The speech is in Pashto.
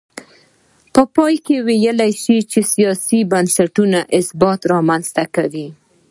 په پای کې ویلای شو چې سیاسي بنسټونه ثبات رامنځته کوي.